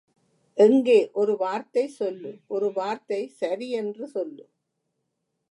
எங்கே ஒரு வார்த்தை சொல்லு, ஒரு வார்த்தை சரி என்று சொல்லு.